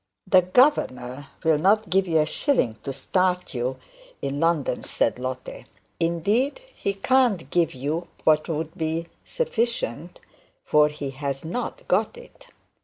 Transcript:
'The governor will not give you a shilling to start you in London,' said Lotte. 'Indeed, he can't give you what would be sufficient, for he has not got it.